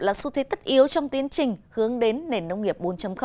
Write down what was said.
là xu thế tất yếu trong tiến trình hướng đến nền nông nghiệp bốn